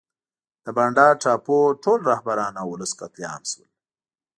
د بانډا ټاپو ټول رهبران او ولس قتل عام شول.